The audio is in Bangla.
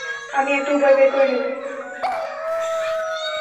আমি একটা উপায় বের করে নেবো!